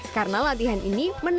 karena latihan ini menangis